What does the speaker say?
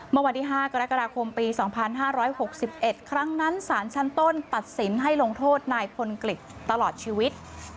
เมื่อวันที่๕กรกฎาคมปี๒๕๖๑ครั้งนั้นสารชั้นต้นตัดสินให้ลงโทษนายพลกฤษตลอดชีวิต